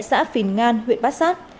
xã phìn ngan huyện bát sát